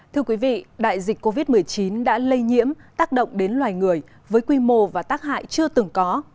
thưa quý vị đại dịch covid một mươi chín đã lây nhiễm tác động đến loài người với quy mô và tác hại chưa từng có